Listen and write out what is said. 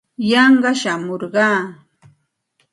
Yanqa shamurqaa.